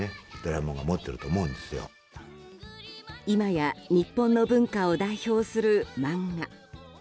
今や日本の文化を代表する漫画。